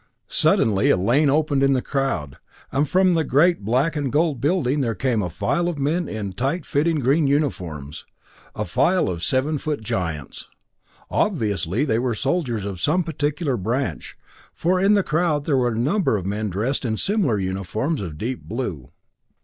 Suddenly a lane opened in the crowd, and from the great black and gold building there came a file of men in tight fitting green uniforms; a file of seven foot giants. Obviously they were soldiers of some particular branch, for in the crowd there were a number of men dressed in similar uniforms of deep blue.